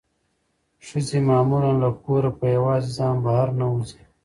ښځې معمولا له کوره په یوازې ځان بهر نه وځي.